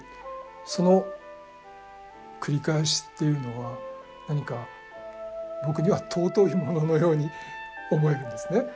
その繰り返しっていうのは何か僕には尊いもののように思えるんですね。